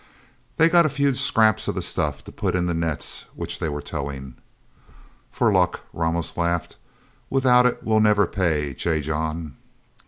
They got a few scraps of the stuff to put into the nets which they were towing. "For luck," Ramos laughed. "Without it we'll never pay J. John."